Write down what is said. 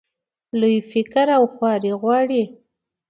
لوی فکر او خواري غواړي.